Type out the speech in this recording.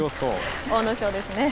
阿武咲ですね。